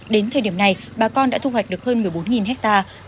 đến thời điểm này bà con đã thu hoạch được hơn một mươi bốn hectare